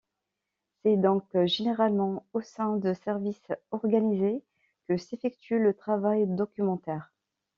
C’est donc généralement au sein de services organisés que s’effectue le travail documentaire.